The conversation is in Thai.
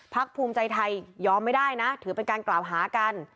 ภูมิใจไทยยอมไม่ได้นะถือเป็นการกล่าวหากัน